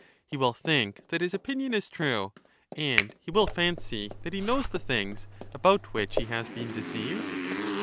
He will think that his opinion is true, and he will fancy that he knows the things about which he has been deceived